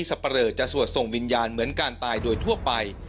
เปลอจะสวดส่งวิญญาณเหมือนการตายโดยทั่วไป